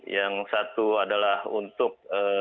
yang satu adalah untuk